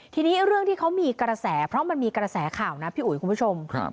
ทีนี้เรื่องที่เขามีกระแสเพราะมันมีกระแสข่าวนะพี่อุ๋ยคุณผู้ชม